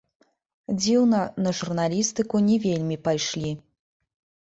Дзіўна, на журналістыку не вельмі пайшлі.